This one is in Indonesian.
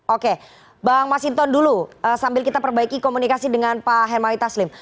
oke bang masinton dulu sambil kita perbaiki komunikasi dengan pak hermawi taslim